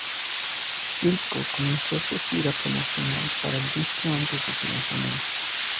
Wilco comenzó su gira promocional para el disco antes de su lanzamiento.